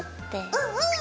うんうん！